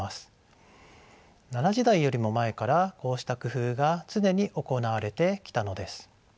奈良時代よりも前からこうした工夫が常に行われてきたのです。